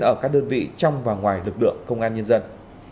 ở các đơn vị trong và ngoài lực lượng công an nhân dân